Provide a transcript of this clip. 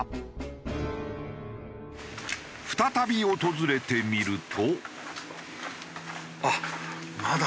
再び訪れてみると。